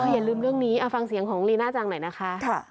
อย่าลืมเรื่องนี้ฟังเสียงของลีน่าจังหน่อยนะคะ